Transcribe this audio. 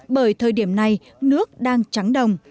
bởi thời điểm này nước đang trắng đồng